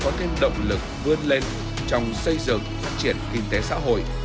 có thêm động lực vươn lên trong xây dựng phát triển kinh tế xã hội